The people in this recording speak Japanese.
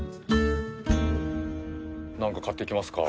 何か買っていきますか？